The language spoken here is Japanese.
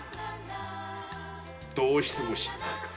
どうしても知りたいか？